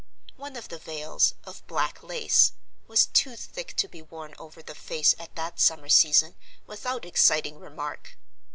One of the veils (of black lace) was too thick to be worn over the face at that summer season without exciting remark.